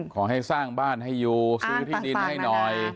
ขอให้สร้างบ้านให้อยู่ซื้อที่ดินให้หน่อย